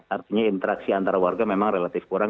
artinya interaksi antara warga memang relatif kurang